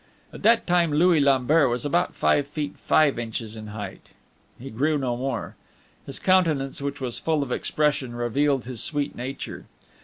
At that time Louis Lambert was about five feet five inches in height; he grew no more. His countenance, which was full of expression, revealed his sweet nature.